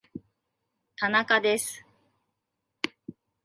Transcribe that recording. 田中です